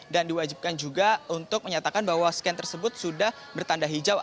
dan diwajibkan juga untuk menyatakan bahwa scan tersebut sudah bertanda hijau